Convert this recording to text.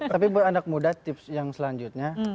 tapi buat anak muda tips yang selanjutnya